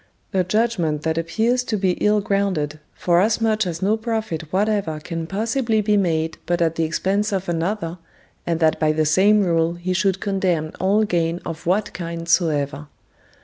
A judgment that appears to be ill grounded, forasmuch as no profit whatever can possibly be made but at the expense of another, and that by the same rule he should condemn all gain of what kind soever.